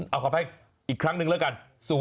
๐๘๓๐เอาคำให้อีกครั้งหนึ่งแล้วกัน